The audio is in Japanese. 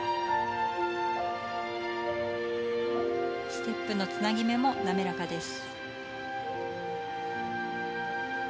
ステップのつなぎ目もなめらかです。